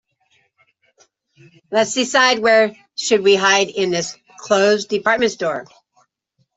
Let's decide where should we hide in this closed department store.